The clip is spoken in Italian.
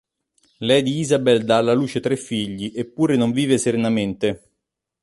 Lady Isabel dà alla luce tre figli, eppure non vive serenamente.